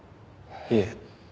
いえ。